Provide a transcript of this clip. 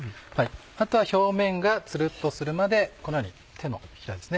あとは表面がつるっとするまでこのように手のひらですね